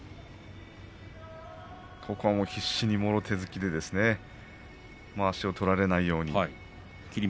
必死にもろ手突きでまわしを取られないように。